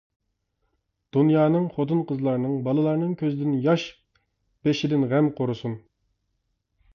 دۇنيانىڭ، خوتۇن-قىزلارنىڭ، بالىلارنىڭ كۆزىدىن ياش، بېشىدىن غەم قۇرۇسۇن.